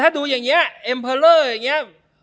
ถ้าดูอย่างนี้เอ็มเพอร์เลอร์อย่างนี้